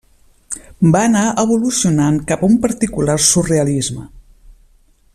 Va anar evolucionant cap a un particular surrealisme.